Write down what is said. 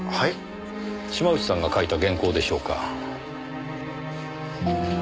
島内さんが書いた原稿でしょうか？